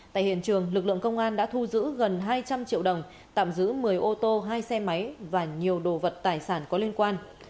tại hiện trường lực lượng công an đã thu giữ gần hai trăm linh triệu đồng tạm giữ một mươi ô tô hai xe máy và nhiều đồ vật tài sản có liên quan